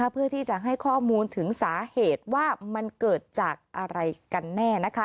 เพื่อที่จะให้ข้อมูลถึงสาเหตุว่ามันเกิดจากอะไรกันแน่